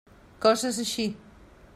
Coses així.